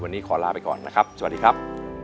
วันนี้ขอลาไปก่อนนะครับสวัสดีครับ